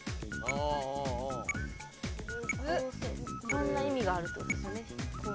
色んな意味があるって事ですよね。